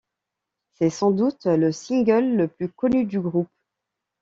C'est sans doute le single le plus connu du groupe.